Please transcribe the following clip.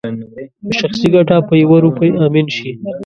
په شخصي ګټه په يوه روپۍ امين شي